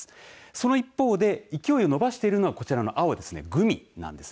その一方で勢いを伸ばしているのがこちらの青、グミなんです。